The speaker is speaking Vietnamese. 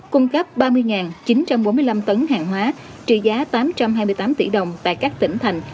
cung cấp ba mươi chín trăm bốn mươi năm tấn hàng hóa trị giá tám trăm hai mươi tám tỷ đồng tại các tỉnh thành